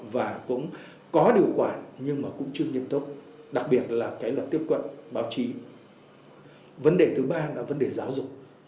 vấn đề thứ ba là vấn đề giáo dục